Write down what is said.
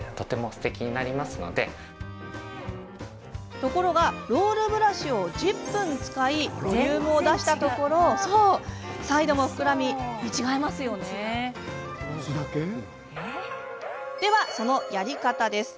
ところがロールブラシを１０分使いボリュームを出したところサイドも膨らんで見違える程ですよね。